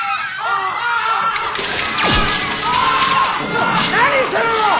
ちょっと何するの！